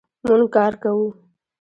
مونږ کار کوو